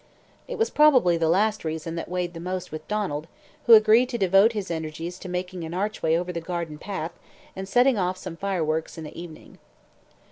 It was probably the last reason that weighed the most with Donald, who agreed to devote his energies to making an archway over the garden path and setting off some fireworks in the evening.